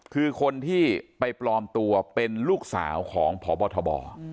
คือคนที่ไปปลอมตัวเป็นลูกสาวของพบทบ